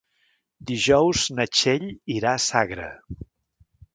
Dijous na Txell irà a Sagra.